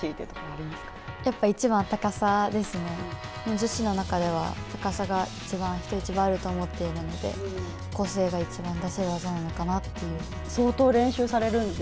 女子の中では高さが一番、人一倍あると思っていて個性が一番出せる技なのかなって。